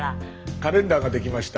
カレンダーが出来ました。